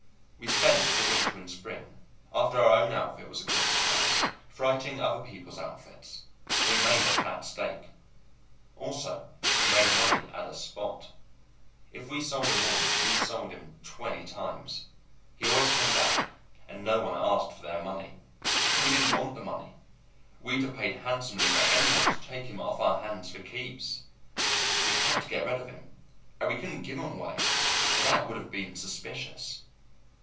We spent the winter and spring, after our own outfit was across the pass, freighting other people's outfits; and we made a fat stake. Also, we made money out of Spot. If we sold him once, we sold him twenty times. He always came back, and no one asked for their money. We didn't want the money. We'd have paid handsomely for any one to take him off our hands for keeps. We had to get rid of him, and we couldn't give him away, for that would have been suspicious.